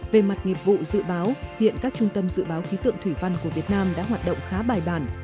về mặt nghiệp vụ dự báo hiện các trung tâm dự báo khí tượng thủy văn của việt nam đã hoạt động khá bài bản